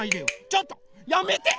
ちょっとやめて！